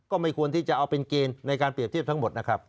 ก็ไม่ควรที่จะเอาเป็นเกณฑ์ในการเปรียบเทียบทั้งหมดนะครับ